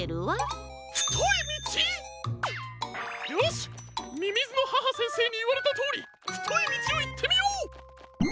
よしみみずの母先生にいわれたとおりふといみちをいってみよう！